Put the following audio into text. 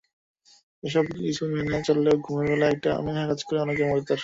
এসব কিছু মেনে চললেও ঘুমের বেলায় একটা অনীহা কাজ করে অনেকের ভেতর।